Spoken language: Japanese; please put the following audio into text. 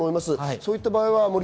そういった場合は？